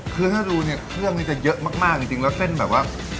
คือถ้าดูเนี่ยเครื่องนี้จะเยอะมากจริงแล้วเส้นแบบว่า